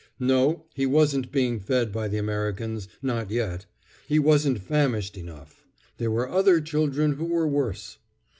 No, he wasn't being fed by the Americans—not yet. He wasn't famished enough; there were other children who were worse.